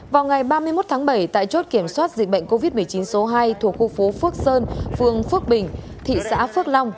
vào ngày ba mươi một tháng bảy tại chốt kiểm soát dịch bệnh covid một mươi chín số hai thuộc khu phố phước sơn phường phước bình thị xã phước long